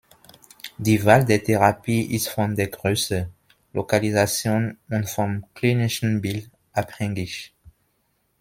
Die Wahl der Therapie ist von der Größe, Lokalisation und vom klinischen Bild abhängig.